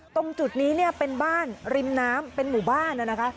ตรงจุดนี้เนี่ยเป็นบ้านริมน้ำเป็นหมู่บ้านนะคะ